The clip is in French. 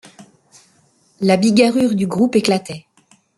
La bigarrure du groupe éclatait.